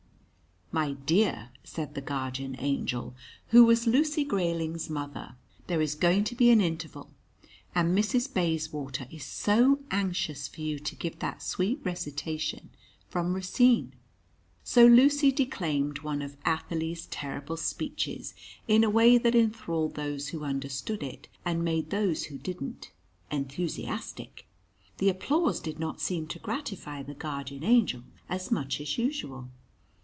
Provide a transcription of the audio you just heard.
"My dear," said the Guardian Angel, who was Lucy Grayling's mother, "there is going to be an interval, and Mrs. Bayswater is so anxious for you to give that sweet recitation from Racine." So Lucy declaimed one of Athalie's terrible speeches in a way that enthralled those who understood it, and made those who didn't, enthusiastic. The applause did not seem to gratify the Guardian Angel as much as usual.